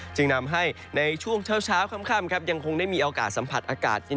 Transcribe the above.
จึงนำให้ในช่วงเช้าค่ำยังคงได้มีโอกาสสัมผัสอากาศเย็น